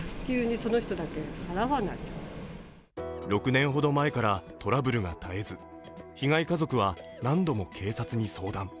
６年ほど前から、トラブルが絶えず、被害家族は何度も警察に相談。